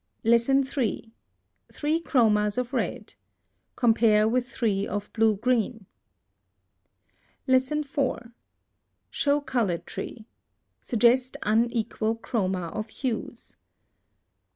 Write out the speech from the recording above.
3. THREE CHROMAS of RED. Compare with three of blue green. 4. Show COLOR TREE. Suggest unequal chroma of hues.